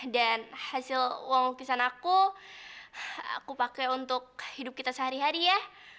dan hasil uang lukisan aku aku pake untuk hidup kita sehari hari ya